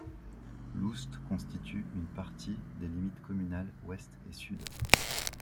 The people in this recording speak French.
L'Oust constitue une partie des limites communales ouest et sud.